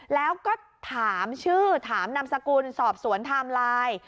แล้วก็ถามชื่อถามนามสกุลสอบสวนไทม์ไลน์